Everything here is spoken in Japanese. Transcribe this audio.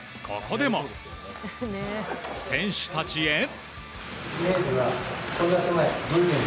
ここでも、選手たちへ。